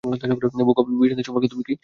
বুক of ভিশান্তি সম্পর্কে তুমি কী জানো?